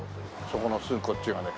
そこのすぐこっちがね